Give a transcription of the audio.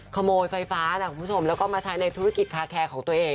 ขโมยไฟฟ้านะคุณผู้ชมแล้วก็มาใช้ในธุรกิจคาแคร์ของตัวเอง